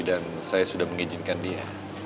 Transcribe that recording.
saya sudah mengizinkan dia